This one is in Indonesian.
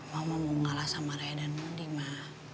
mama mau ngalah sama raya dan mondi ma